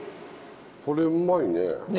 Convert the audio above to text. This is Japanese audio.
これうまいね。ね。